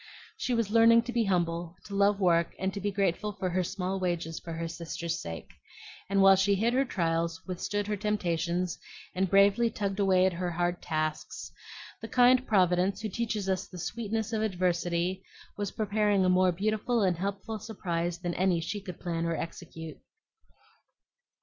She was learning to be humble, to love work, and be grateful for her small wages for her sister's sake; and while she hid her trials, withstood her temptations, and bravely tugged away at her hard tasks, the kind Providence, who teaches us the sweetness of adversity, was preparing a more beautiful and helpful surprise than any she could plan or execute.